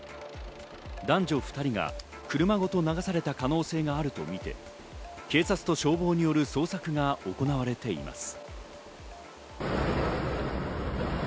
男女２人が車ごと流された可能性があるとみて警察と消防による捜索が行われています。